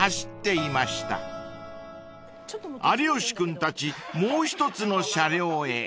［有吉君たちもう一つの車両へ］